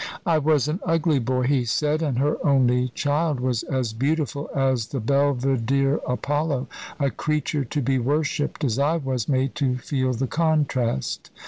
"I was an ugly boy," he said, "and her only child was as beautiful as the Belvedere Apollo, a creature to be worshipped, and I was made to feel the contrast.